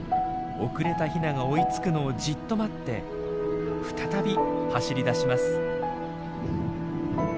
遅れたヒナが追いつくのをじっと待って再び走りだします。